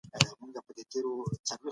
که ته په دلیل خبرې وکړې نو خلک به یې ومني.